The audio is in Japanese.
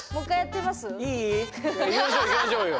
いい？いきましょういきましょうよ。